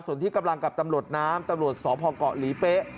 ส่วนที่กำลังกับตำรวจน้ำตำรวจสพเกาะหลีเป๊ะ